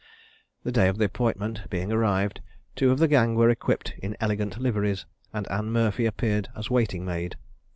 The day of appointment being arrived, two of the gang were equipped in elegant liveries; and Anne Murphy appeared as waiting maid.